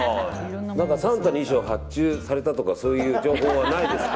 サンタの衣装を発注されたとかそういう情報はないですか？